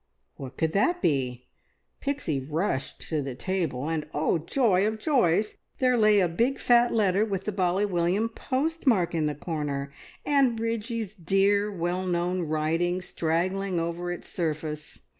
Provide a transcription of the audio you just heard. What could that be? Pixie rushed to the table, and oh, joy of joys, there lay a big fat letter with the Bally William postmark in the corner, and Bridgie's dear, well known writing straggling over its surface.